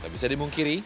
tapi bisa dimungkiri